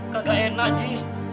kagak enak ji